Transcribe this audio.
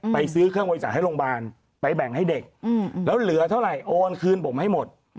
ไปซื้อเครื่องบริจาคให้โรงพยาบาลไปแบ่งให้เด็กแล้วเหลือเท่าไหร่โอนคืนผมให้หมด